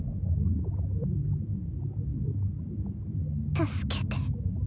助けて。